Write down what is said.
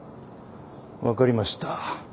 わかりました。